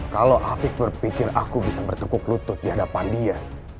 kalau afiq berpikir aku bisa bertukuk lutut di hadapan dia